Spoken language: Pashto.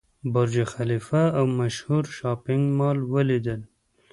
برج خلیفه او مشهور شاپینګ مال ولیدل.